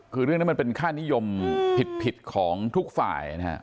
คือเรื่องนี้มันเป็นค่านิยมผิดของทุกฝ่ายนะฮะ